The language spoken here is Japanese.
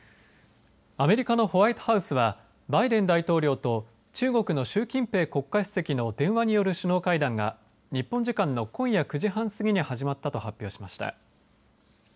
アメリカのホワイトハウスはバイデン大統領と中国の習近平国家主席の電話による首脳会談が日本時間の今夜９時半過ぎに始まったと発表しました。